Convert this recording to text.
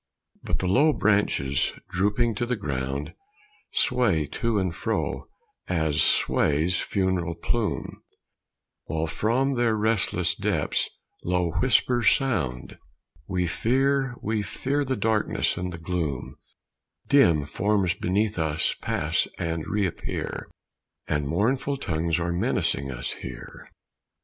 But the low branches, drooping to the ground, Sway to and fro, as sways funereal plume, While from their restless depths low whispers sound: "We fear, we fear the darkness and the gloom; Dim forms beneath us pass and reappear, And mournful tongues are menacing us here."